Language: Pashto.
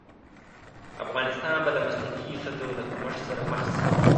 افغانستان به د مسلکي ښځو له کمښت سره مخ شي.